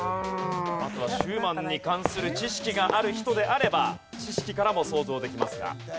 あとはシューマンに関する知識がある人であれば知識からも想像できますが。